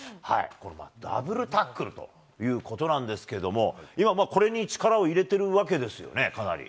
ダブルタックルということなんですけれども、今、これに力を入れてるわけですよね、かなり。